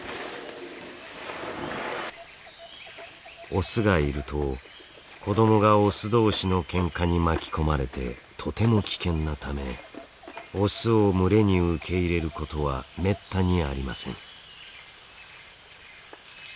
オスがいると子どもがオス同士のケンカに巻き込まれてとても危険なためオスを群れに受け入れることはめったにありません。